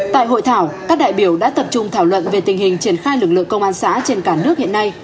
tại hội thảo các đại biểu đã tập trung thảo luận về tình hình triển khai lực lượng công an xã trên cả nước hiện nay